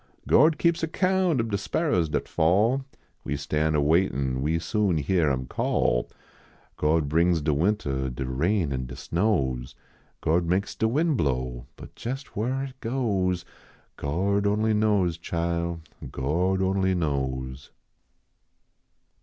Gord keeps account ob de sparrers dat fall, We stan a waitin we soon hyar him call. Gord brings de wintah, De rain an de snows, Gord makes de win blow, But jes whar it goes, Gord only knows, chile, Gord onlv knows.